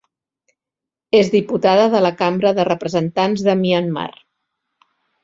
És diputada de la Cambra de Representants de Myanmar.